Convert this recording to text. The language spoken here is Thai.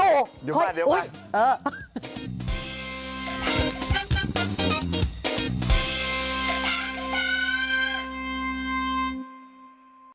เดี๋ยวก่อน